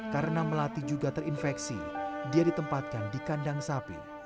karena melati juga terinfeksi dia ditempatkan di kandang sapi